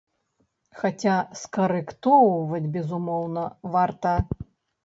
Хаця скарэктоўваць, безумоўна, варта.